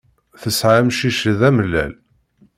Tesɛa amcic d amellal.